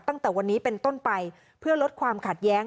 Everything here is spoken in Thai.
ตั้งแต่วันนี้เป็นต้นไปเพื่อลดความขัดแย้ง